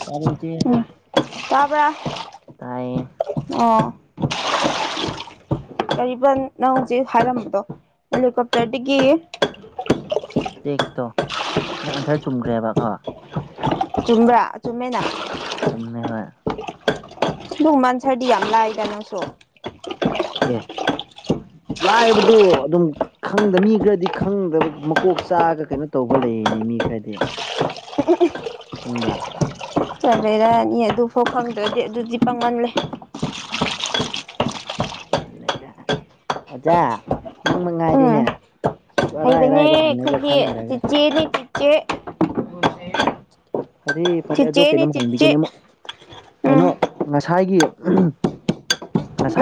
ꯇꯥꯕꯔꯣ ꯏꯆꯦ ꯎꯝ [unintelligible] ꯇꯥꯏꯌꯦ ꯑꯣ [unintelligible] ꯀꯔꯤꯕ ꯅꯪ ꯍꯧꯖꯤꯛ ꯍꯥꯏꯔꯝꯕꯗꯣ ꯍꯦꯂꯤꯀꯣꯞꯇꯔꯗꯒꯤ ꯇꯦꯛꯇꯣ ꯅꯪ ꯑꯟꯁꯔ ꯆꯨꯝꯈ꯭ꯔꯦꯕꯀꯣ ꯆꯨꯝꯕ꯭ꯔ ꯆꯨꯝꯃꯦꯅ ꯆꯨꯨꯝꯃꯦ ꯍꯣꯏ ꯑꯗꯨꯒꯨꯝꯕ ꯑꯟꯁꯔꯗꯤ ꯌꯥꯝ ꯂꯥꯏꯗ ꯅꯪꯁꯨ ꯑꯦ [unintelligible] ꯂꯥꯏꯕꯗꯣ ꯑꯗꯨꯝ ꯈꯪꯗ ꯃꯤ ꯈꯔꯗꯤ ꯈꯪꯗꯕ ꯃꯀꯣꯛ ꯆꯥꯛꯑꯒ ꯀꯩꯅꯣ ꯇꯧꯕ ꯂꯩꯌꯦꯅꯦ ꯃꯤ ꯈꯔ ꯍꯥꯏꯗꯤ ꯈꯪꯕꯔ꯭ ꯈꯪꯗꯔꯦꯗ ꯃꯤ ꯑꯗꯨ ꯐꯧ ꯈꯪꯗ꯭ꯔꯗꯤ ꯑꯗꯨꯗꯤ ꯄꯪꯃꯜꯂꯦ ꯑꯣꯖꯥ ꯅꯪ ꯎꯝ ꯃꯉꯥꯏꯔꯦꯅꯦ ꯑꯁꯨꯛ ꯑꯔꯥꯏ ꯍꯩꯕꯅꯦ ꯑꯔꯥꯏꯕ ꯍꯪꯉꯒ ꯑꯩꯈꯣꯏꯒꯤ ꯈꯪꯗ꯭ꯔꯒ ꯆꯤꯆꯦꯅꯦ ꯆꯤꯆꯦ ꯐꯔꯦ ꯐꯔꯦ ꯑꯗꯣ ꯆꯤꯆꯦꯅꯦ ꯀꯩꯅꯣꯝ ꯆꯤꯆꯦ ꯍꯪꯕꯤꯒꯦꯅꯦ ꯑꯃꯨꯛ ꯎꯝ ꯀꯩꯅꯣ ꯉꯁꯥꯏꯒꯤ ꯎ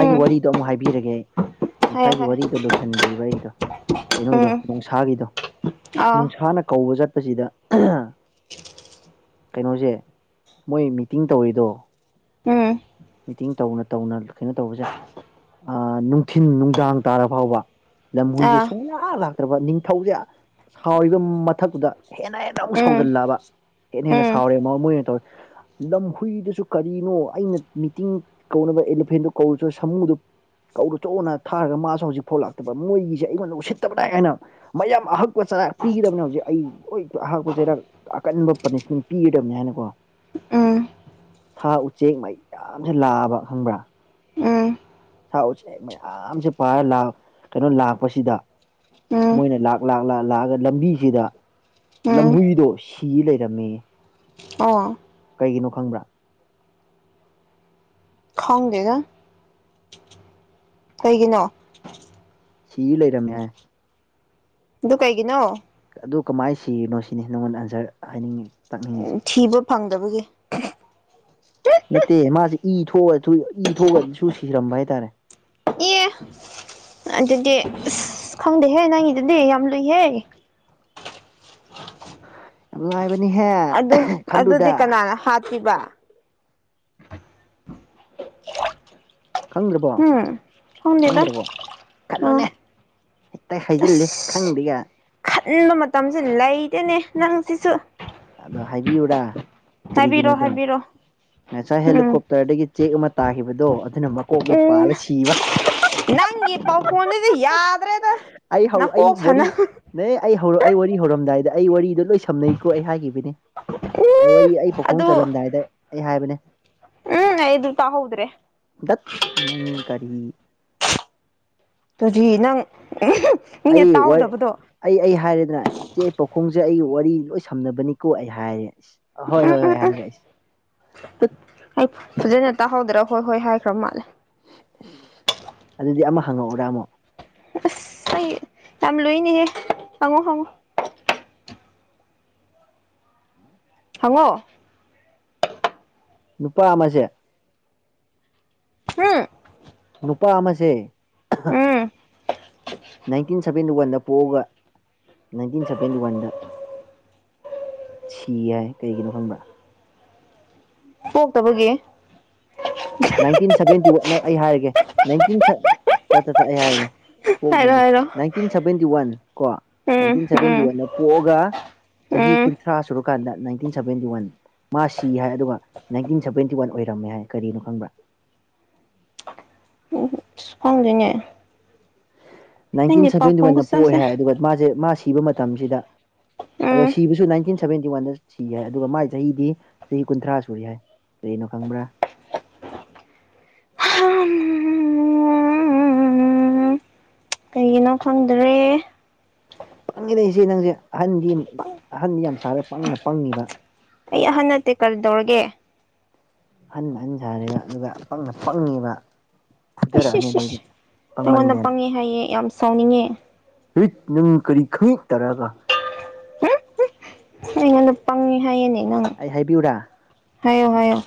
ꯎꯝ ꯋꯥꯔꯤꯗꯣ ꯑꯃꯨꯛ ꯍꯥꯏꯕꯤꯔꯒꯦ ꯍꯥꯏꯌꯣ ꯉꯁꯥꯏꯒꯤ ꯍꯥꯏꯌꯣ ꯋꯥꯔꯤꯗꯣ ꯂꯣꯏꯁꯟꯗ꯭ꯔꯤꯕ ꯑꯩꯒꯤꯗꯣ ꯀꯩꯅꯣꯗꯣ ꯎꯝ ꯅꯣꯡꯁꯥꯒꯤꯗꯣ ꯑꯥ ꯅꯣꯡꯁꯥꯅ ꯀꯧꯕ ꯆꯠ ꯄꯁꯤꯗ ꯀꯩꯅꯣꯁꯦ ꯃꯣꯏ ꯃꯤꯇꯤꯡ ꯇꯧꯔꯤꯗꯣ ꯎꯝ ꯃꯤꯇꯤꯡ ꯇꯧꯅ ꯇꯧꯅ ꯀꯩꯅꯣ ꯇꯧꯕꯁꯦ ꯅꯨꯡꯊꯤꯜ ꯅꯨꯡꯗꯥꯡ ꯇꯥꯔ ꯐꯥꯎꯕ ꯂꯝꯍꯨꯏꯁꯦ ꯑꯥ ꯁꯨꯡ ꯂꯥꯛ ꯂꯥꯛꯇ꯭ꯔꯕ ꯅꯤꯡ ꯊꯧꯁꯦ ꯁꯥꯎꯔꯤꯕ ꯃꯊꯛꯇꯨꯗ ꯍꯦꯟꯅ ꯍꯦꯟꯅ ꯑꯃꯨꯛ ꯎꯝ ꯁꯥꯎꯖꯜꯂꯛꯑꯕ ꯍꯦꯟꯅ ꯍꯦꯟꯅ ꯎꯝ ꯁꯥꯎꯔꯦ ꯃꯣꯏꯅ ꯇꯧ ꯂꯝꯍꯨꯏꯗꯨꯁꯨ ꯀꯔꯤꯅꯣ ꯑꯩꯅ ꯃꯤꯇꯤꯡ ꯀꯧꯅꯕ ꯑꯦꯂꯤꯐꯦꯟꯗꯨ ꯀꯧꯔꯨꯁꯨ ꯁꯥꯃꯨꯗꯨ ꯀꯧꯔꯨ ꯆꯣꯅ ꯊꯥꯔꯒ ꯃꯥꯁꯨ ꯍꯧꯖꯤꯛ ꯐꯥꯎ ꯂꯥꯛꯇꯕ ꯃꯣꯏꯒꯤꯁꯦ ꯑꯩꯉꯣꯟꯗ ꯎꯁꯤꯠꯇꯕꯅꯦ ꯍꯥꯏꯅ ꯃꯌꯥꯝ ꯑꯍꯛꯄ ꯄꯤꯒꯗꯕꯅꯦ ꯍꯧꯖꯤꯛ ꯑꯩ ꯂꯣꯏ ꯑꯍꯥꯛꯄꯁꯦꯗ ꯑꯀꯟꯕ ꯄꯥꯅꯤꯁꯃꯦꯟ ꯄꯤꯒꯗꯕꯅꯤ ꯍꯥꯏꯅꯀꯣ ꯎꯝ ꯁꯥ ꯎꯆꯦꯛ ꯃꯩ ꯌꯥꯝꯁꯦ ꯂꯥꯛꯑꯕ ꯈꯪꯕ꯭ꯔꯥ ꯎꯝ ꯁꯥ ꯎꯆꯦꯛ ꯃꯌꯥꯝꯁꯦ ꯄꯥꯔ ꯀꯩꯅꯣ ꯂꯥꯛꯄꯁꯤꯗ ꯎꯝ ꯃꯣꯏꯅ ꯂꯥꯛ ꯂꯥꯛ ꯂꯥꯛ ꯂꯥꯛꯑꯒ ꯂꯝꯕꯤꯁꯤꯗ ꯎꯝ ꯂꯝꯍꯨꯏꯗꯣ ꯁꯤ ꯂꯩꯔꯝꯃꯦ ꯑ ꯀꯒꯤꯅꯣ ꯈꯪꯕ꯭ꯔꯥ ꯈꯥꯣꯡꯒꯦꯒ ꯀꯩꯒꯤꯅꯣ ꯁꯤꯤ ꯂꯩ ꯔꯃꯦꯌꯥ ꯗꯨ ꯀꯥꯏꯒꯤꯅꯣ ꯑꯗꯨ ꯀꯃꯥꯏꯅ ꯁꯤꯅꯣ ꯁꯤꯅꯤ ꯅꯪꯉꯣꯟꯗ ꯑꯟꯁꯔ ꯍꯥꯏꯅꯤꯡꯉꯤ ꯇꯥꯛꯅꯤꯡꯉꯤꯁꯦ ꯎ ꯊꯤꯕ ꯐꯪꯗꯕꯒꯤ ꯅꯠꯇꯦ ꯃꯥꯁꯦ ꯏ ꯊꯣꯛꯑ ꯏ ꯊꯣꯛꯑꯁꯨ ꯁꯤꯔꯝꯕ ꯍꯥꯏꯇꯥꯔꯦ ꯑꯦ ꯑꯗꯨꯗꯤ ꯑꯁ ꯈꯪꯗꯦꯍꯦ ꯅꯪꯏꯤꯗꯨꯗꯤ ꯌꯥꯝ ꯂꯨꯏꯍꯦ ꯂꯥꯏꯕ ꯑꯗꯨ ꯑꯗꯨꯗꯤ ꯀꯅꯥꯅ ꯍꯥꯄꯤꯕ ꯈꯪ ꯄ ꯎꯝ ꯈꯪꯗꯦꯗ ꯈꯪꯗ꯭ꯔꯕꯣ ꯎꯝ ꯈꯜꯂꯨꯅꯦ ꯍꯦꯛꯇ ꯍꯥꯏꯖꯤꯜꯂꯦ ꯈꯪꯗ꯭ꯦꯒ ꯏꯟꯕ ꯃꯇꯝꯁꯨ ꯂꯩꯗꯦꯅꯦ ꯅꯪ ꯁꯤꯁꯨ ꯑꯗꯣ ꯍꯥꯏꯕꯤꯌꯨꯨꯔꯥ ꯍꯥꯏꯕꯤꯔꯣ ꯀꯔꯤꯒꯤꯅꯣꯗ ꯍꯥꯏꯕꯤꯔꯣ ꯉꯁꯥꯏ ꯎꯝ ꯍꯦꯂꯤꯀꯣꯞꯇꯔꯗꯒꯤ ꯆꯦꯛ ꯑꯃ ꯇꯥꯈꯤꯕꯗꯣ ꯑꯗꯨꯅ ꯃꯀꯣꯛꯅ ꯎꯝ ꯄꯥꯜꯂ ꯁꯤꯕ ꯐꯅꯦꯗꯤ ꯌꯥꯗ ꯑꯩ ꯍꯧ ꯑꯩ ꯋꯥꯔꯤ ꯅ ꯑꯩ ꯍꯧꯔꯛ ꯑꯩ ꯋꯥꯔꯤ ꯍꯧꯔꯝꯗꯥꯏꯗ ꯗ ꯑꯩ ꯋꯥꯔꯤꯗꯣ ꯂꯣꯏ ꯁꯝꯅꯩꯀꯣ ꯑꯩ ꯍꯥꯏꯈꯤꯕ ꯑꯩ ꯎꯝ ꯋꯥꯔꯤ ꯑꯩ ꯄꯈꯣꯡ ꯑꯗꯨ ꯆꯠꯂꯝꯗꯥꯏꯗ ꯑꯩ ꯍꯥꯏꯕꯅꯦ ꯎꯝ ꯑꯩ ꯇꯥ ꯍꯧꯗ꯭ꯔꯦ ꯗꯠ ꯅꯪ ꯀꯔꯤ ꯑꯗꯨꯗꯤ ꯅꯪ ꯃꯤꯅ ꯑꯩ ꯑꯩ ꯇꯥꯍꯧꯗꯕꯗꯣ ꯑꯩ ꯍꯥꯏꯔꯦꯗꯅ ꯏꯆꯦ ꯄꯥꯎꯈꯨꯝ ꯑꯩ ꯋꯥꯔꯤ ꯂꯣꯏ ꯁꯝꯅꯕꯅꯤꯀꯣ ꯑꯩ ꯍꯥꯏꯔꯦꯁ ꯑ ꯍꯣꯏ ꯎꯝ ꯍꯣꯏ ꯎꯝ ꯍꯣꯏ ꯎꯝ ꯍꯥꯏꯔꯦ ꯑꯩꯁ ꯑꯩ ꯐꯖꯅ ꯇꯥꯍꯧꯗ꯭ꯔꯥ ꯍꯣꯏ ꯍꯣꯏ ꯍꯥꯏꯈ꯭ꯔ ꯃꯥꯜꯂꯦ ꯑꯗꯨꯗꯤ ꯑꯃ ꯍꯪꯉꯛꯎꯔꯥꯃꯣ ꯁ ꯌꯥꯝꯝ ꯂꯨꯏꯅꯦꯍꯦ ꯍꯉꯣ ꯍꯉꯣ ꯍꯉꯣ ꯅꯨꯄꯥ ꯑꯃꯁꯁꯦ ꯎꯝ ꯅꯨꯄꯥ ꯑꯃꯁꯦ ꯎꯝ ꯅꯥꯏꯟꯇꯤꯟ ꯁꯕꯦꯟꯇꯤ ꯋꯥꯟꯗ ꯄꯣꯛꯑꯒ ꯅꯥꯏꯟꯇꯤꯟ ꯁꯕꯦꯟꯇꯤ ꯋꯥꯟꯗ ꯁꯤ ꯌꯥꯏ ꯀꯩꯒꯤꯅꯣ ꯈꯪꯕ꯭ꯔꯥ ꯍ ꯇꯕꯒꯦ ꯅꯥꯏꯟꯇꯤꯟ ꯁꯚꯦꯟꯇꯤ ꯋꯥꯠꯅ ꯑꯩ ꯍꯥꯏꯔꯒꯦ ꯏꯇꯤꯟ ꯑꯩ ꯍꯥꯏꯔꯒꯦ ꯍꯥꯏꯔꯣ ꯄꯣꯛꯅꯗꯦ ꯍꯥꯏꯔꯣ ꯅꯥꯏꯟꯇꯤꯟ ꯁꯚꯦꯟꯇꯤ ꯋꯥꯟ ꯀꯣ ꯎꯝ ꯅꯥꯏꯟꯇꯤꯟ ꯁꯚꯦꯟꯇꯤ ꯎꯝ ꯋꯥꯟꯗ ꯄꯣꯛꯑꯒ ꯆꯍꯤ ꯎꯝ ꯀꯨꯟꯊ꯭ꯔꯥ ꯁꯨꯔꯀꯥꯟꯗ ꯅꯥꯏꯟꯇꯤꯟ ꯁꯚꯦꯟꯇꯤ ꯋꯥꯟ ꯃꯥ ꯁꯤ ꯍꯥꯏ ꯑꯗꯨꯒ ꯅꯥꯏꯟꯇꯤꯟ ꯁꯚꯦꯟꯇꯤ ꯋꯥꯟ ꯑꯣꯏꯔꯝꯃꯦ ꯍꯥꯏ ꯀꯔꯤꯅꯣ ꯐꯪꯕ ꯐꯪꯗꯅꯦ ꯅꯥꯏꯟꯇꯤꯟ ꯁꯚꯦꯟꯇꯤ ꯋꯥꯟꯗ ꯄꯣꯛꯦ ꯈꯨꯠꯁꯦ ꯍꯥꯏ ꯑꯗꯨꯒ ꯃꯥꯁꯦ ꯃꯥ ꯁꯤꯕ ꯃꯇꯝꯁꯤꯗ ꯑ ꯎꯝ ꯁꯤꯕꯤꯁꯨꯟꯇꯤꯟ ꯁꯚꯦꯟꯇꯤ ꯋꯥꯟꯗ ꯁꯤ ꯌꯥꯏ ꯑꯗꯨꯒ ꯃꯥꯏ ꯆꯍꯤꯗꯤ ꯆꯍꯤ ꯀꯨꯟꯊ꯭ꯔꯥ ꯁꯨꯔꯤ ꯍꯥꯏꯏ ꯀꯅꯣ ꯈꯪꯕ꯭ꯔꯥ ꯍ ꯌꯦꯩꯅꯣ ꯈꯪꯗ꯭ꯔꯦ ꯄꯪꯉꯤꯗꯏꯁꯦ ꯅꯪꯁꯦ ꯑꯍꯟꯗꯤ ꯑꯍꯟꯗꯤ ꯌꯥꯝ ꯁꯥꯔꯒꯪꯅ ꯄꯪꯉꯤꯕ ꯑꯩ ꯑꯍꯟꯠꯇꯦ ꯀꯔꯤ ꯇꯧꯔꯒꯦ ꯑꯍꯟ ꯑꯍꯟ ꯁꯥꯔꯒ ꯑꯗꯨꯒ ꯄꯪꯅ ꯄꯪꯉꯦꯕ ꯐꯨꯊꯔꯛꯑꯅꯤ ꯑꯩꯁꯁ ꯑꯁ ꯑꯗꯩꯗꯤ ꯑꯩꯪꯉꯣꯟꯗ ꯄꯪꯃꯜꯂꯦꯅ ꯄꯪꯉꯦ ꯍꯥꯏꯌꯦꯦ ꯌꯥꯝ ꯁꯥꯎꯅꯤꯡꯉꯦ ꯍꯠ ꯅꯪ ꯀꯔꯤ ꯈꯪꯉ ꯇꯔꯒ ꯎꯝ ꯑꯩꯉꯣꯟꯗ ꯄꯪꯉꯤ ꯍꯥꯏꯌꯦꯅꯦ ꯅꯪ ꯑꯩ ꯍꯥꯏꯕꯤꯌꯨꯨꯔꯥ ꯍꯥꯏꯌꯣ ꯍꯥꯏꯌꯣ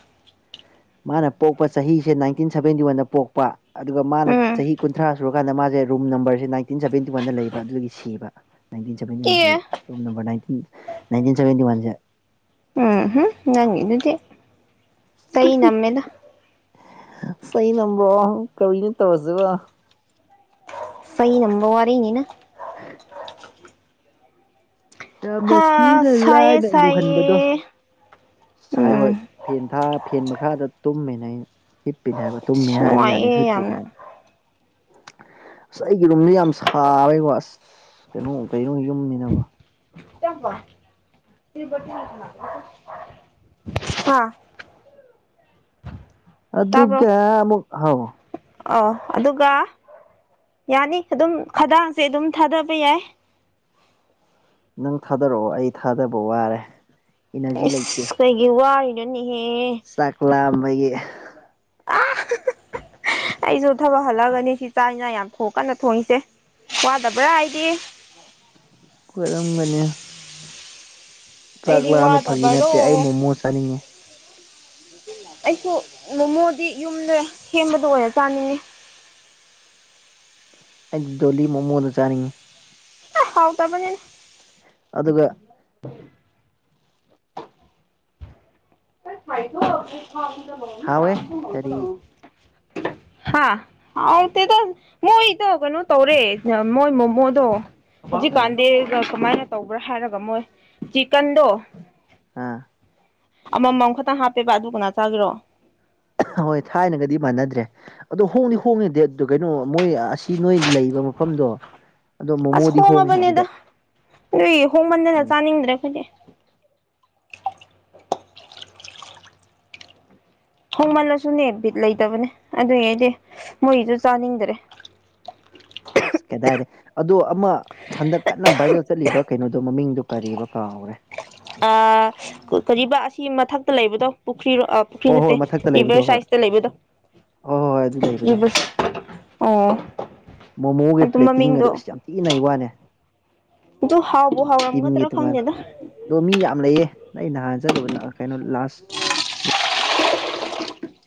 ꯃꯥꯅ ꯄꯣꯛꯄ ꯆꯍꯤꯁꯦ ꯅꯥꯏꯟꯇꯤꯟ ꯁꯚꯦꯟꯇꯤ ꯋꯥꯟꯗ ꯄꯣꯛꯄ ꯑꯗꯨꯒ ꯃꯥꯅ ꯎꯝ ꯆꯍꯤ ꯀꯨꯟꯊ꯭ꯔꯥ ꯁꯨꯔꯛ ꯀꯥꯟꯗ ꯃꯥꯁꯦ ꯔꯨꯝ ꯅꯝꯕꯔꯁꯦ ꯏꯇꯦꯟꯇꯤ ꯋꯥꯟꯗ ꯂꯩꯕ ꯑꯗꯨꯒꯤ ꯁꯤꯕ ꯑꯦ ꯋꯥꯦ ꯎꯝ ꯎꯝ ꯅꯪ ꯑꯗꯨꯗꯤ ꯀꯩ ꯅꯃꯦꯃꯦꯗ ꯏꯁꯩ ꯅꯝꯕ꯭ꯔꯣ ꯀꯔꯤꯅ ꯇꯧꯔꯁꯕ ꯁꯩ ꯅꯝꯕ ꯋꯥꯔꯅꯤꯅ ꯌꯥꯝꯅ ꯊꯤꯅ ꯁꯥꯏꯌꯦ ꯂꯥꯏꯅ ꯂꯨꯍꯟꯕꯗꯣ ꯁꯥꯏꯌꯦ ꯁꯥꯏ ꯍꯣꯏ ꯎꯝ ꯐꯦꯟ ꯊꯥ ꯐꯦꯟ ꯃꯈꯥꯗ ꯇꯨꯝꯃꯤꯅꯦ ꯑꯩ ꯍꯤꯞꯄꯤꯅꯦ ꯍꯥꯏꯕ ꯇꯨꯝꯃꯦ ꯑꯁ ꯍꯥꯏꯕ ꯌꯥꯗꯦ ꯍꯤꯞꯄꯤꯅꯦ ꯍꯥꯏꯕ ꯎ ꯑꯁ ꯑꯩꯒꯤ ꯔꯨꯝꯗꯤ ꯌꯥꯝ ꯁꯥꯔꯦꯀꯣ ꯑꯁ ꯀꯩꯅꯣ ꯀꯩꯅꯣ ꯌꯨꯝꯅꯤꯅꯕ ꯆꯝꯕ ꯍꯥ [unintelligible] ꯑ ꯑꯗꯨꯒ ꯑꯃꯛ ꯍꯥꯎ ꯑꯣ ꯑꯗꯨꯒ ꯌꯥꯅꯤ ꯑꯗꯨꯝ ꯈꯗꯥꯡꯁꯦ ꯑꯗꯨꯝ ꯊꯥꯗꯕ ꯌꯥꯏ ꯅꯪ ꯊꯥꯗꯔꯛꯑꯣ ꯑꯩ ꯊꯥꯗꯕ ꯋꯥꯔꯦ ꯏꯅꯔꯖꯤ ꯂꯩꯇꯦ ꯏꯁꯁ ꯀꯩꯒꯤ ꯋꯥꯔꯤꯅꯣꯅꯦ ꯆꯥꯛ ꯂꯥꯝꯕꯒꯤ ꯍ ꯑꯩꯁꯨ ꯊꯕꯛ ꯍꯜꯂꯛꯒꯅꯤ ꯁꯤ ꯆꯥꯛ ꯏꯅꯥ ꯌꯥꯝ ꯊꯣꯛ ꯀꯟꯅ ꯊꯣꯡꯉꯁꯦ ꯋꯥꯋꯥꯗꯕ꯭ꯔ ꯍꯥꯏꯗꯤ ꯑꯣꯏꯔꯝꯒꯅꯦ ꯆꯥꯛ ꯑꯩꯗꯤ ꯂꯥꯛꯑꯝꯃꯦ ꯐꯥꯒꯤ ꯋꯥꯗꯕꯔꯣ ꯅꯠꯇꯦ ꯑꯩ ꯃꯣꯃꯣ ꯆꯥꯅꯤꯡꯉꯦ ꯑꯩꯁꯨ ꯃꯣꯃꯣꯗꯤ ꯌꯨꯝꯗ ꯁꯦꯝꯕꯗ ꯑꯣꯏꯔ ꯆꯥꯅꯤꯡꯉꯤ [unintelligible] ꯑꯩꯗꯤ ꯗꯣꯂꯤ ꯃꯣꯃꯣꯗ ꯆꯥꯅꯤꯡꯉꯤ ꯍꯥꯎ ꯇꯕꯅꯤꯅ ꯑꯗꯨꯒ ꯊꯥꯏꯗ ꯂ ꯈꯗ ꯂ ꯍꯥꯎꯋꯦ ꯆꯥꯛꯕ ꯂꯑꯣ ꯀꯔꯤ ꯍꯥꯥ ꯍꯥꯎꯗ ꯃꯣꯏꯗ ꯀꯩꯅꯣ ꯇꯧꯔꯦ ꯃꯣꯏ ꯃꯣꯃꯣꯗꯣ ꯑꯥ ꯍꯧꯖꯤꯛꯀꯥꯟꯗꯤ ꯀꯃꯥꯏꯅ ꯇꯧꯕ꯭ꯔꯥ ꯍꯥꯏꯔꯒ ꯃꯣꯏ ꯆꯤꯀꯟꯗꯣ ꯑ ꯑꯃꯃꯝ ꯈꯇꯪ ꯍꯥꯞꯄꯦꯕ ꯑꯗꯨ ꯀꯅꯥ ꯆꯥꯒꯤꯔꯣ ꯍꯣꯏ ꯊꯥꯏꯅꯒꯗꯤ ꯃꯥꯟꯅꯗ꯭ꯔꯦ ꯑꯗꯣ ꯍꯣꯡꯅꯤ ꯍꯣꯡꯉꯦꯗꯤ ꯑꯗꯨ ꯀꯩꯅꯣ ꯃꯣꯏ ꯑꯁꯤ ꯅꯣꯏ ꯂꯩꯕ ꯃꯐꯝꯗꯣ ꯑꯗꯣ ꯑꯁ ꯃꯣꯃꯣꯗꯤ ꯍꯣꯡꯉꯦ ꯍꯣꯡꯉꯕꯅꯦꯗ ꯑꯗꯨꯗ ꯅꯏ ꯍꯣꯡꯃꯟꯗꯅ ꯎꯝ ꯆꯥꯅꯤꯡꯗ꯭ꯔꯦ ꯐꯗꯤ ꯍꯣꯡꯃꯜꯂꯁꯨꯅꯦ ꯕꯤꯠ ꯂꯩꯇꯕꯅꯦ ꯑꯗꯨꯒꯤ ꯑꯩꯗꯤ ꯃꯣꯏꯁꯨ ꯆꯥꯅꯤꯡꯗ꯭ꯔꯦ [unintelligible] ꯀꯩꯗꯥꯔꯦ ꯑꯗꯣ ꯑꯃ ꯍꯟꯗꯛ ꯀꯟꯅ ꯕꯥꯥꯏꯔꯦꯜ ꯆꯠꯂꯤꯕ ꯀꯩꯅꯣ ꯑꯗꯨ ꯃꯃꯤꯡꯗꯨ ꯀꯔꯤꯔꯤꯕ ꯀꯥꯎꯔꯦ ꯑ ꯀ ꯑꯁꯤ ꯃꯊꯛꯇ ꯂꯩꯕꯗꯣ ꯄꯨꯈ꯭ꯔꯤꯔ ꯄꯨꯈ꯭ꯔꯤ ꯍꯣꯏ ꯅꯠꯇꯦ ꯍꯣꯏ ꯃꯊꯛꯇ ꯚꯔ ꯂꯩꯕꯗꯣ ꯍꯣꯏ ꯍꯣꯏ ꯁꯥꯏꯁꯇ ꯂꯩꯕꯗꯣ ꯍꯣꯏ ꯍꯣꯏ ꯑꯗꯨ ꯂꯩꯕꯗꯣ ꯏꯕꯨ ꯑꯣ ꯃꯣꯃꯣꯒꯤ ꯑꯗꯨ ꯄ꯭ꯂꯦꯇꯤꯡ ꯑꯗꯣ ꯃꯃꯤꯡꯗꯣ ꯑꯩꯁ ꯌꯥꯝ ꯊꯤꯅ ꯋꯥꯅꯦ ꯑꯗꯨꯣ ꯍꯥꯎ ꯇꯤꯝꯒꯤ ꯇꯣꯉꯥꯟꯕ ꯑꯗꯣ ꯃꯤ ꯌꯥꯝ ꯂꯩꯌꯦ ꯅ ꯅꯍꯥꯟ ꯆꯠꯂꯨ ꯀꯩꯅꯣ ꯂꯥꯁ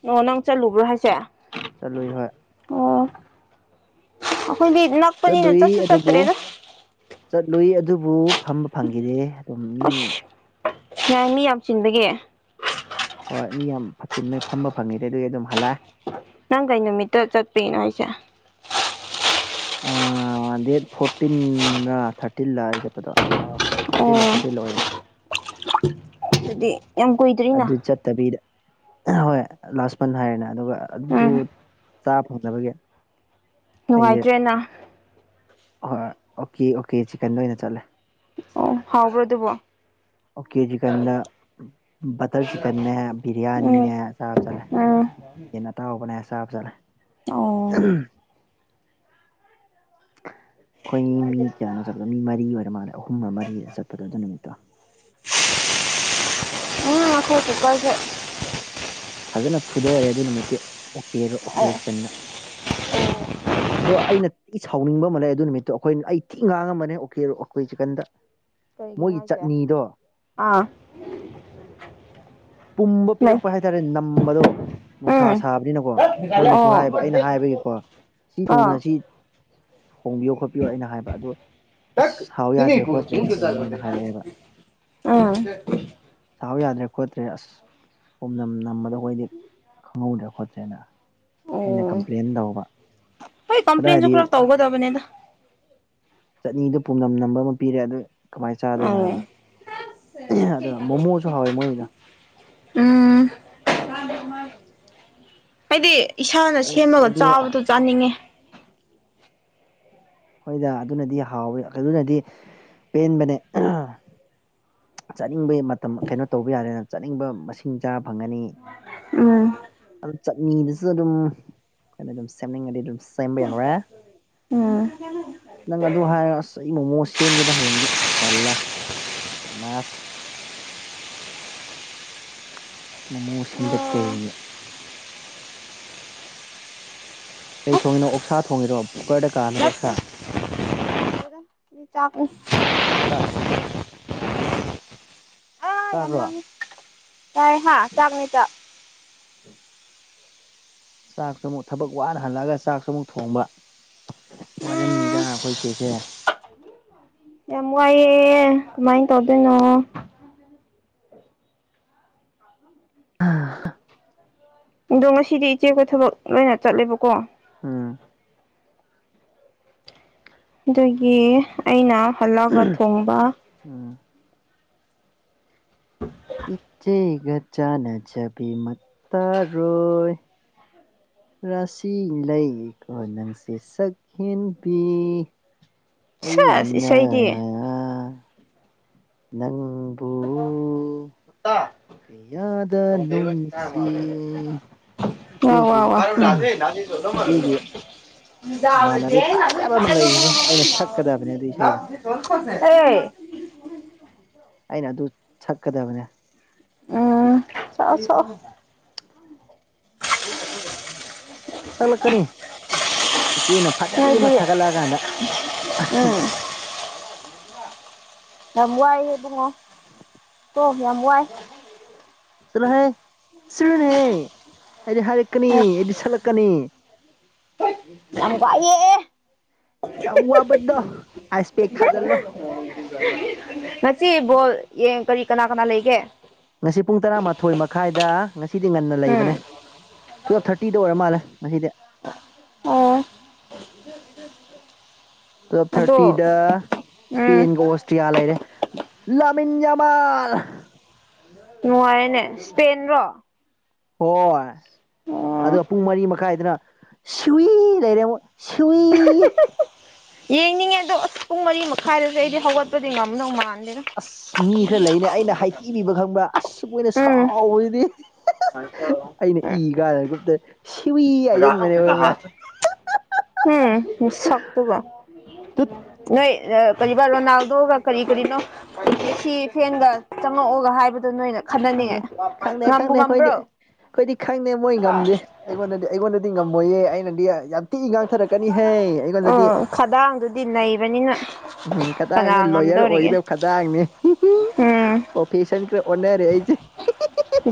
ꯑꯣ ꯅꯪ ꯆꯠꯂꯨꯕ꯭ꯔꯣ ꯍꯥꯏꯁꯦ ꯆꯠꯂꯨꯏ ꯍꯣꯏ ꯃꯣꯏ ꯅꯛꯄꯅꯤꯅ ꯆꯠꯂꯨꯏ ꯆꯁꯨ ꯆꯔ ꯑꯗꯨꯕꯨ ꯇꯔꯦꯅ ꯆꯠꯂꯨꯏ ꯑꯗꯨꯕꯨ ꯐꯝꯕ ꯐꯪꯈꯤꯗꯦ ꯑꯗꯨꯝ ꯃꯤ ꯑꯁ ꯁꯥꯏ ꯃꯤ ꯌꯥꯝ ꯆꯤꯟꯕꯒꯤꯦ ꯍꯣꯏ ꯃꯤ ꯌꯥꯝ ꯐꯆꯤꯟꯕ ꯐꯝꯕ ꯐꯪꯉꯤꯗ ꯑꯗꯨꯗꯤ ꯑꯗꯨꯝ ꯍꯜꯂꯛꯑꯦ ꯅꯪ ꯀꯩꯅ ꯅꯨꯃꯤꯠꯇ ꯆꯠꯄꯤꯅ ꯍꯥꯏꯁꯦ ꯗꯦꯠ ꯐꯣꯔꯇꯤꯟ ꯔꯥ ꯊꯥꯔꯇꯤꯟ ꯂꯥꯛꯑꯏ ꯆꯠꯄꯗꯣ ꯀꯥꯎ ꯊꯥꯔꯇꯤ ꯑꯣ ꯐꯣꯔꯇꯤ ꯑꯗꯨꯗꯤ ꯌꯥꯝ ꯀꯨꯏꯗ꯭ꯔꯤꯅ ꯑꯗꯨ ꯆꯠꯇꯕꯤꯗ ꯍꯣꯏ ꯂꯥꯁ ꯃꯟ ꯍꯥꯏꯔꯦꯅ ꯑꯗꯨꯒ ꯑꯗꯨ ꯎꯝ ꯆꯥ ꯐꯪꯗꯕꯒꯦ ꯅꯨꯡꯉꯥꯏꯇ꯭ꯔꯦꯅ ꯍꯣꯏ ꯑꯣꯀꯦ ꯑꯣꯀꯦ ꯆꯤꯀꯟꯗ ꯑꯣꯏꯅ ꯆꯠꯂꯦ ꯑꯣ ꯍꯥꯎꯕ꯭ꯔꯣ ꯑꯗꯨꯕꯣ ꯑꯣꯀꯦ ꯆꯤꯛꯀꯟꯗ ꯕꯇꯔ ꯆꯤꯛꯀꯟꯅꯦ ꯎꯝ ꯕꯤꯔꯌꯥꯅꯤꯅꯦ ꯆ ꯆꯠꯂꯦ ꯎꯝ ꯌꯦ ꯅ ꯇꯕꯅꯦ ꯑꯦꯁꯥ ꯍꯥꯞ ꯆꯂ ꯑꯣ ꯑꯩꯈꯣꯏ ꯃꯤ ꯀꯌꯥꯅꯣ ꯆꯠꯄꯗꯣ ꯃꯤ ꯃꯔꯤ ꯑꯣꯏꯔ ꯃꯥꯜꯂꯦ ꯑꯍꯨꯝꯒ ꯃꯔꯤꯗ ꯆꯠꯄꯗꯣꯗ ꯅꯨꯃꯤꯠꯇꯣ ꯏ ꯉꯈ ꯇꯣꯛꯀꯁꯦ [inaudible] ꯐꯖꯅ ꯐꯨꯊꯔꯦ ꯑꯗꯨ ꯅꯨꯃꯤꯠꯇꯤ ꯑꯣꯦꯔ ꯑꯣ ꯑꯣꯈꯤꯕꯁꯤ ꯀꯟꯅ ꯑꯗꯣ ꯑꯩꯅ ꯊꯤ ꯁꯥꯎꯅꯤꯡꯕ ꯑꯃ ꯂꯩ ꯑꯗꯨ ꯅꯨꯃꯤꯠꯇꯣ ꯑꯩꯈꯣꯏ ꯑꯩ ꯊꯤꯛ ꯉꯥꯡꯉꯝꯕꯅꯦ ꯎꯀꯤꯔ ꯑꯩꯀꯣꯏ ꯆꯤꯛꯀꯟꯗ ꯀꯔꯤꯒꯤꯅꯣ ꯃꯣꯏꯒꯤ ꯍꯥꯏꯁꯦ ꯆꯠꯅꯤꯗꯣ ꯑꯥ ꯄꯨꯝꯕ ꯂꯩ ꯄꯤꯔꯛꯄ ꯍꯥꯏꯇꯥꯔꯦ ꯅꯝꯕꯗꯣ ꯅꯨꯡꯁꯥ ꯎꯝ ꯁꯥꯕꯅꯤꯅꯀꯣ ꯃꯣꯏꯅꯁꯨ ꯑꯣ ꯍꯥꯏꯕ ꯑꯩꯅ ꯍꯥꯏꯕꯒꯤꯀꯣ ꯁꯤ ꯑꯥ ꯊꯨꯅ ꯁꯤ ꯍꯣꯡꯕꯤꯌꯣ ꯈꯣꯠꯄꯤꯌꯣ ꯑꯩꯅ ꯍꯥꯏꯕ ꯑꯗꯣ ꯑꯁ ꯁꯥꯎ ꯌꯥꯗ꯭ꯔꯦ ꯈꯣꯠꯇ꯭ꯔꯦꯅꯣ ꯃꯣꯏꯅ ꯍꯥꯏꯔꯛꯑꯦꯕ ꯑꯥ [unintelligible] [inaudible] ꯁꯥꯥꯎ ꯌꯥꯗ ꯈꯣꯠꯇ꯭ꯔꯦ ꯑꯁ ꯄꯣꯝꯅꯝ ꯅꯝꯕꯗꯣ ꯑꯩꯈꯣꯏꯗꯤ ꯈꯪꯍꯧꯗ꯭ꯔꯦ ꯈꯣꯠꯇ꯭ꯔꯦꯅ ꯑꯩꯅ ꯑꯣ ꯀꯝꯄ꯭ꯂꯦꯟ ꯇꯧꯕ ꯍꯣꯏ ꯀꯝꯄ꯭ꯂꯦꯟꯁꯨ ꯑꯗꯨꯏꯗꯤ ꯈꯔ ꯇꯧꯒꯗꯕꯅꯦꯗ ꯆꯠꯅꯤꯗꯨꯣ ꯄꯨꯝꯅꯝ ꯅꯝꯕ ꯑꯃ ꯄꯤꯔꯦ ꯑꯗꯨ ꯀꯃꯥꯏꯅ ꯆꯥꯗꯣꯏꯅꯣ ꯑꯣ ꯍꯥꯏꯕ ꯑꯗꯨꯒ ꯃꯣꯃꯣꯁꯨ ꯍꯥꯎꯋꯦ ꯃꯣꯏꯅ ꯎꯝ ꯍꯥꯏꯗꯤ ꯏꯁꯥꯅ ꯑꯁ ꯁꯦꯝꯃꯒ ꯑꯗꯨ ꯆꯥꯕꯗꯣ ꯆꯥꯅꯤꯡꯉꯦ ꯍꯣꯏꯗ ꯑꯗꯨꯅꯗꯤ ꯍꯥꯎꯋꯦ ꯑꯗꯨꯅꯗꯤ ꯄꯦꯟꯕꯅꯦ ꯆꯠꯅꯤꯡꯕꯩ ꯃꯇꯝ ꯀꯩꯅꯣ ꯇꯧꯕ ꯌꯥꯔꯦꯅ ꯆꯠꯅꯤꯡꯕ ꯃꯁꯤꯡ ꯆꯥ ꯐꯪꯒꯅꯤ ꯎꯝ ꯆꯠꯅꯤꯗꯨꯁꯨ ꯑꯗꯨꯝ ꯑꯩꯈꯣꯏꯅ ꯑꯗꯨꯝ ꯁꯦꯝꯅꯤꯡꯉꯗꯤ ꯑꯗꯨꯝ ꯁꯦꯝꯕ ꯌꯥ ꯎꯝ ꯅꯪ ꯑꯗꯨ ꯍꯥꯏꯔꯁ ꯃꯣꯃꯣ ꯁꯦꯝꯒꯦꯗ ꯍꯌꯦꯡꯗꯤ ꯑꯁꯂꯥ ꯃꯥꯁ ꯃꯣꯃꯣ ꯁꯦꯝꯗꯠꯀꯦ ꯑꯅꯦ ꯀꯩ ꯊꯣꯡꯉꯤꯅꯣ ꯑꯣꯛꯁꯥ ꯊꯣꯡꯉꯤꯔꯣ ꯀꯨꯀꯔꯗ ꯀꯥꯝꯃꯤꯔꯣ ꯑꯣꯛꯁꯥ ꯆꯥꯛꯁ ꯇꯥ [unintelligible] [inaudible] ꯆꯥꯠ꯭ꯔꯣ ꯇꯥꯏ ꯍꯥ ꯆꯥꯛꯅꯤ ꯆꯥꯛ ꯆꯥꯛꯁꯨ ꯑꯃꯨꯛ ꯊꯕꯛ ꯋꯥꯅ ꯍꯜꯂꯛꯑꯒ ꯆꯥꯛꯁꯨ ꯑꯃꯨꯛ ꯊꯣꯡꯕ ꯋꯥꯔꯦꯝꯅꯤꯗ ꯎꯝ ꯑꯩꯈꯣꯏ ꯆꯦꯠꯁꯦ ꯌꯥꯝ ꯋꯥꯏꯑꯦ ꯀꯃꯥꯏꯅ ꯇꯧꯗꯣꯏꯅꯣ ꯑꯗꯣ ꯉꯁꯤꯗꯤ ꯏꯆꯦꯄ ꯊꯕꯛ ꯂꯣꯏꯅ ꯆꯠꯂꯦꯕꯀꯣ ꯎꯝ ꯑꯗꯨꯒꯤ ꯑꯩꯅ ꯍꯜꯂꯛꯑꯒ ꯊꯣꯡꯕ ꯎꯝ ꯏꯆꯦꯒꯖ ꯅꯖꯕꯤ ꯃꯠꯇ ꯔꯣꯏ ꯔꯥꯁꯤ ꯂꯩꯀꯣ ꯅꯪꯁꯤ ꯁꯛ ꯍꯦꯟꯕꯤ ꯁꯦꯁ ꯑꯩꯟꯅ ꯏꯁꯩꯗꯤ ꯅꯪꯕꯨꯨ ꯍꯠꯇ ꯀꯌꯥꯗꯅꯅꯨꯡꯁꯤꯦ ꯑꯔꯅꯥꯊ ꯏꯆꯦꯒꯤ ꯆꯗ ꯃꯃꯥꯟꯅꯕꯤ ꯐꯖꯕ ꯑꯃ ꯂꯩꯈ꯭ꯔꯦ ꯃꯔꯔ ꯑꯩꯅ ꯁꯛꯀꯗꯕꯅꯦ ꯑꯗꯨ ꯏꯁꯩꯗꯣ [unintelligible] ꯑꯦ ꯑꯩꯅ ꯑꯗꯨ ꯁꯛꯀꯗꯕꯅꯦ ꯎꯝ ꯆꯥꯎ ꯆꯣ ꯍ ꯆꯂ ꯀꯅꯤ ꯏꯆꯦꯅ ꯐꯖꯕꯤ ꯑꯃ ꯅꯣꯏꯗꯤ ꯊꯥꯒꯠꯂꯛꯑꯀꯥꯟꯗ ꯎꯝ ꯌꯥꯝ ꯋꯥꯏꯕꯉꯣ ꯇ ꯌꯥꯝ ꯋꯥꯏ ꯆꯠꯂꯣꯍ ꯁꯤꯔꯅꯦꯍꯦ ꯑꯩꯗꯤ ꯍꯥꯏꯔꯛꯀꯅꯤ ꯑꯩꯗꯤ ꯁꯠꯂꯛꯀꯅꯤ ꯌꯥꯝ ꯀꯏꯦ ꯌꯥꯝ ꯋꯥꯕꯗꯣ ꯑꯥꯏꯁ ꯄꯦꯛ ꯊꯥꯖꯤꯜꯂꯣ [unintelligible] ꯉꯁꯤ ꯕꯣꯜ ꯌꯦꯡ ꯀꯔꯤ ꯀꯅꯥ ꯀꯅꯥ ꯂꯩꯒꯦ ꯉꯁꯤ ꯄꯨꯡ ꯇꯔꯥꯃꯥꯊꯣꯏ ꯃꯈꯥꯏꯗ ꯉꯁꯤꯗꯤ ꯉꯟꯅ ꯎꯝ ꯂꯩꯕꯅꯦ ꯇꯨꯞ ꯊꯥꯔꯇ ꯇꯇꯤꯗ ꯑꯣꯏꯔ ꯃꯥꯜꯂꯦ ꯉꯁꯤꯗꯤ ꯑꯣ ꯇꯨ ꯑꯗꯣ ꯊꯥꯔꯇꯤꯗ ꯎꯝ ꯏꯁꯄꯦꯟꯒ ꯑꯣꯁꯇ꯭ꯔꯤꯌꯥ ꯂꯩꯔꯦ ꯄꯟꯖꯕꯥꯜ ꯅꯨꯡꯉꯥꯏꯦꯅꯦ ꯏꯁꯄꯦꯟ ꯔꯣ ꯍꯣꯏ ꯑꯗꯨꯒ ꯄꯨꯡ ꯃꯔꯤ ꯃꯈꯥꯏꯗꯅ ꯁꯨꯋꯤ ꯂꯩꯔꯦ ꯁꯨꯏ ꯌꯦꯡꯅꯤꯡꯉꯦ ꯑꯗꯣ ꯑꯁ ꯄꯨꯡ ꯃꯔꯤ ꯃꯈꯥꯏꯗꯁꯨꯦ ꯑꯩꯗꯤ ꯍꯧꯒꯠꯄꯗꯤ ꯉꯝꯅꯧ ꯃꯥꯜꯂꯦ ꯑꯁ ꯃꯤ ꯈꯔ ꯂꯩꯅꯦ ꯑꯩꯅ ꯍꯥꯏꯊꯤꯕꯤꯕ ꯈꯪꯕ ꯑꯁ ꯃꯣꯏꯅ ꯎꯝ ꯁꯥꯎꯕꯗꯤ ꯑꯩꯅ ꯏ ꯀꯥꯟꯗ ꯒ꯭ꯔꯨꯞꯇ ꯁꯤꯏ ꯍꯥꯏꯁꯤꯟꯕꯅꯦꯕ ꯈꯪꯕ꯭ꯔꯥ ꯎꯝ ꯁꯛ ꯇꯨꯒꯣ ꯇꯨꯠ ꯅꯣꯏ ꯀꯔꯤꯕꯥ ꯔꯣꯅꯥꯜꯗꯣꯒ ꯀꯔꯤ ꯀꯔꯤꯅꯣ ꯁꯤ ꯐꯦꯟꯒ ꯆꯪꯉꯛꯑꯣꯒ ꯍꯥꯏꯕꯗꯨ ꯈꯪꯗꯦ ꯈꯪꯗꯦ ꯈꯪꯗꯦ ꯑꯩꯈꯣꯏꯗꯤ ꯉꯝꯕ꯭ꯔꯣ ꯑꯩꯈꯣꯏꯗꯤ ꯈꯪꯗꯦ ꯃꯣꯏ ꯉꯝꯗꯦ ꯑꯩꯉꯣꯟꯗꯗꯤ ꯑꯩꯉꯣꯟꯗꯗꯤ ꯉꯝꯃꯣꯏꯌꯦ ꯑꯩꯅꯗꯤ ꯌꯥꯝ ꯇꯤꯛꯏ ꯉꯥꯡꯊꯔꯛꯀꯅꯤꯍ ꯑꯩꯉꯣꯟꯗꯗꯤ ꯑꯥ ꯈꯗꯥꯡꯗꯨꯗꯤ ꯅꯩꯕꯅꯤꯅ ꯎꯝ ꯀꯅꯥ ꯈꯈꯤꯇꯥꯡꯅꯦ ꯂꯣꯌꯔ ꯉꯝꯗꯧꯔꯤꯒꯦ ꯑꯣꯏꯒꯗꯕ ꯈꯇꯥꯡꯅꯦ ꯎꯝ ꯄ꯭ꯔꯣꯐꯦꯁꯟ ꯑꯣꯟꯅꯔꯏꯁꯦ